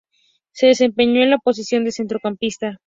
Se desempeñó en la posición de centrocampista.